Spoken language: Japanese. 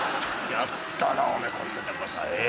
やったなお前こんなとこさ］